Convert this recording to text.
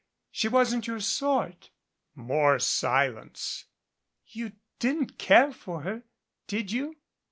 She wasn't your sort." More silence. "You didn't care for her, did you?"